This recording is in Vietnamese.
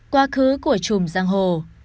qua khứ của trùm giang hồ